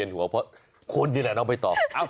นอกไปต่อ